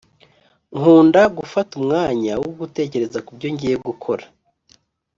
Nkunda gufata umwanya wo gutekereza kubyo ngiye gukora